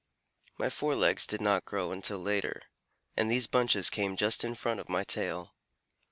My fore legs did not grow until later, and these bunches came just in front of my tail."